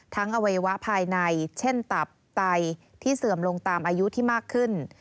อวัยวะภายในเช่นตับไตที่เสื่อมลงตามอายุที่มากขึ้น